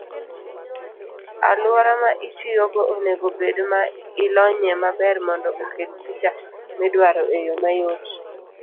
Aluora ma itiyogo onego obed ma ilonyie maber mondo okel picha midwaro eyoo mayot.